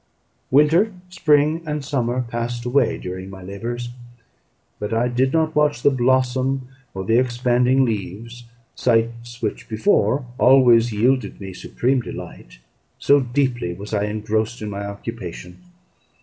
Winter, spring, and summer passed away during my labours; but I did not watch the blossom or the expanding leaves sights which before always yielded me supreme delight so deeply was I engrossed in my occupation.